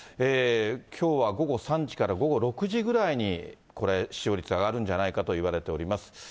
きょうは午後３時から午後６時ぐらいに、これ、使用率が上がるんじゃないかといわれております。